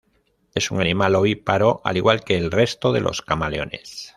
Es un animal ovíparo, al igual que el resto de los camaleones.